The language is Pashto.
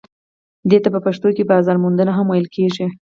دې ته په پښتو کې بازار موندنه هم ویل کیږي.